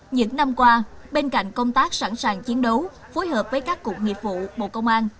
những năm qua bên cạnh công tác sẵn sàng chiến đấu phối hợp với các cục nghiệp vụ bộ công an